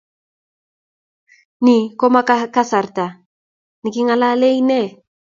Ni ko ma kasarta ne king'alale ine